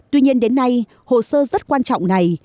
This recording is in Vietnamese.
tuy nhiên đến nay hồ sơ rất quan trọng này